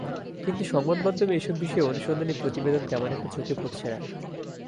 কিন্তু সংবাদমাধ্যমে এসব বিষয়ে অনুসন্ধানী প্রতিবেদন তেমন একটা চোখে পড়ছে না।